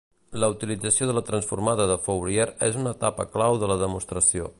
La utilització de la transformada de Fourier és una etapa clau de la demostració.